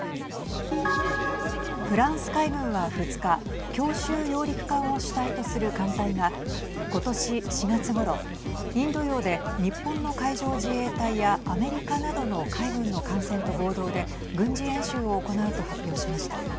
フランス海軍は２日強襲揚陸艦を主体とする艦隊が今年４月ごろ、インド洋で日本の海上自衛隊やアメリカなどの海軍の艦船と合同で軍事演習を行うと発表しました。